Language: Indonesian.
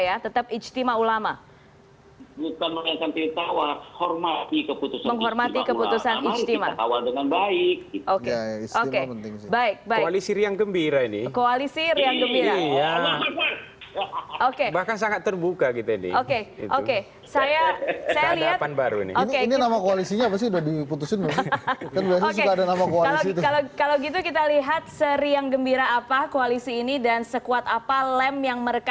ya tetap ijtima ulama menghormati keputusan ijtima baik baik baik